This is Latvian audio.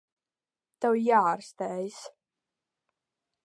Tev jāārstējas.